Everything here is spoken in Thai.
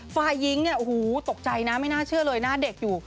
ฟ้ายิงตกใจนะไม่น่าเชื่อเลยหน้าเด็กอยู่